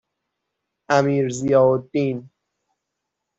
امیرضیاءالدین